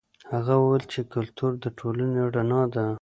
هغه وویل چې کلتور د ټولنې رڼا ده.